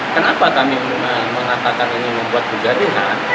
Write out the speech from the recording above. kenapa kami menatakan ini membuat kegaduhan